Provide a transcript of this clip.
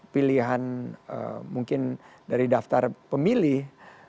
pilihan mungkin dari daftar pemilih